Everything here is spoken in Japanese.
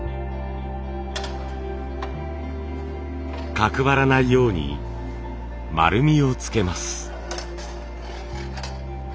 角張らないように丸みをつけます。